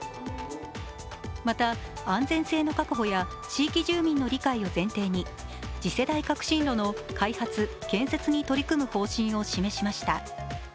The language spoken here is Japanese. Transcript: また、安全性の確保や地域住民の理解を前提に次世代革新炉の開発・建設に取り組む方針を示しました。